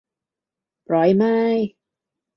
หรอยไหม